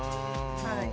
はい。